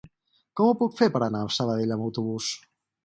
Com ho puc fer per anar a Sabadell amb autobús?